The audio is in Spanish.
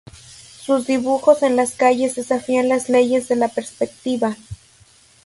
Sus dibujos en las calles desafían las leyes de la perspectiva.